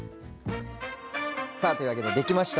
さあというわけで出来ました。